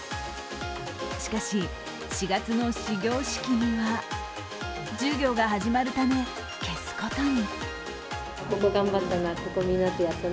しかし４月の始業式には授業が始まるため、消すことに。